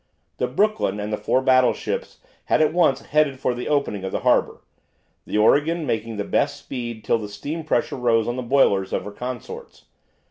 The "Brooklyn" and the four battleships had at once headed for the opening of the harbour, the "Oregon" making the best speed till the steam pressure rose on the boilers of her consorts.